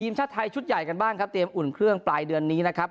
ทีมชาติไทยชุดใหญ่กันบ้างครับเตรียมอุ่นเครื่องปลายเดือนนี้นะครับ